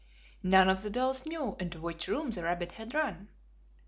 None of the dolls knew into which room the rabbit had run.